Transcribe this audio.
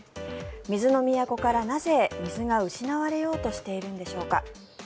水の都からなぜ水が失われようとしているんでしょうか。